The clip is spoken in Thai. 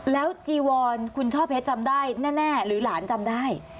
แล้วจีวอนคุณช่อเพชรจำได้แน่หรือหลานจำได้